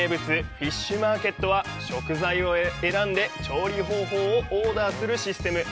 フィッシュマーケットは、食材を選んで調理方法をオーダーするシステム。